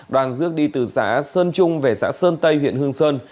đoàn rước đi từ xã sơn trung về xã sơn tây huyện hương sơn